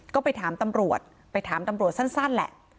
ก็ไปถามตำรวจไปถามตำรวจสั้นแหละ